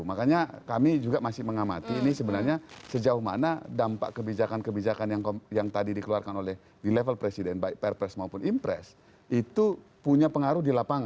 makanya kami juga masih mengamati ini sebenarnya sejauh mana dampak kebijakan kebijakan yang tadi dikeluarkan oleh di level presiden baik perpres maupun impres itu punya pengaruh di lapangan